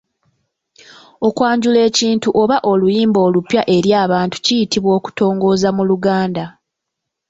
Okwanjula ekintu oba oluyimba olupya eri abantu kiyitibwa okutongoza mu luganda.